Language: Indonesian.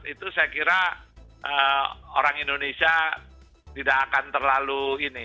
itu saya kira orang indonesia tidak akan terlalu ini